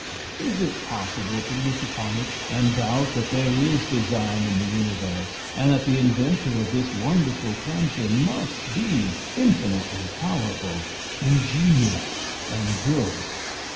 Is it possible to look upon it and doubt that there is design in the universe, and that the inventor of this wonderful cancer must be infinitely powerful, ingenious and good?